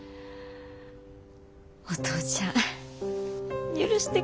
お父ちゃん許してくれるやろか。